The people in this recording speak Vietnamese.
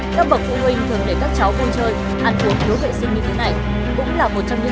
các bậc phụ huynh thường để các cháu vô chơi ăn phố thiếu vệ sinh như thế này